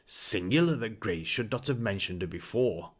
Singular that Grace should not have mentioned her before.